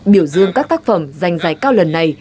biểu dương các tác phẩm dành giải cao lần này